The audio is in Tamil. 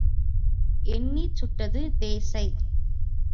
எண்ணிச் சுட்டது தேசை.